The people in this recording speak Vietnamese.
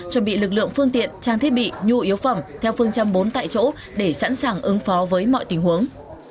chuẩn bị lực lượng phương tiện trang thiết bị nhu yếu phẩm theo phương châm bốn tại chỗ để sẵn sàng ứng phó với mọi tình huống